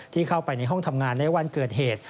ที่เข้าไปในห้องทำงานในวันเกิดเหตุ